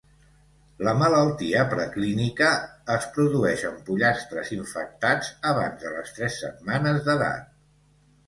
La malaltia preclínica es produeix en pollastres infectats abans de les tres setmanes d'edat.